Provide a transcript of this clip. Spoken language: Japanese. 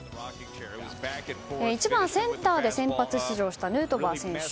１番センターで先発出場したヌートバー選手。